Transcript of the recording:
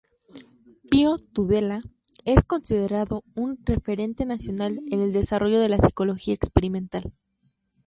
Pío Tudela es considerado un referente nacional en el desarrollo de la Psicología Experimental.